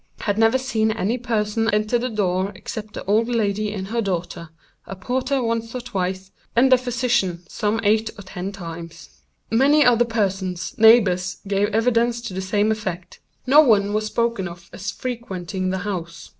Had never seen any person enter the door except the old lady and her daughter, a porter once or twice, and a physician some eight or ten times. "Many other persons, neighbors, gave evidence to the same effect. No one was spoken of as frequenting the house.